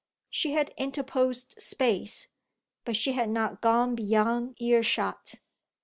She had interposed space, but she had not gone beyond ear shot.